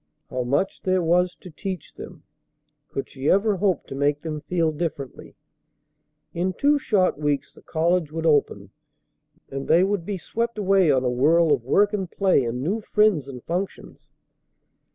How much there was to teach them! Could she ever hope to make them feel differently? In two short weeks the college would open, and they would be swept away on a whirl of work and play and new friends and functions.